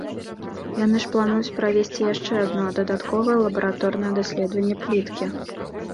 Яны ж плануюць правесці яшчэ адно, дадатковае лабараторнае даследаванне пліткі.